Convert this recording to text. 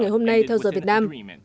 ngày hôm nay theo giờ việt nam